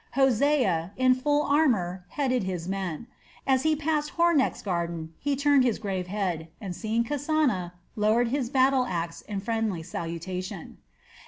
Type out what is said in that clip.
Hosea, in full armor, headed his men. As he passed Hornecht's garden he turned his grave head, and seeing Kasana lowered his battle axe in friendly salutation.